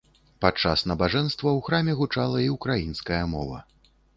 Падчас набажэнства ў храме гучала і ўкраінская мова.